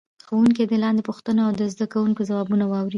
ښوونکی دې لاندې پوښتنه وکړي او د زده کوونکو ځوابونه واوري.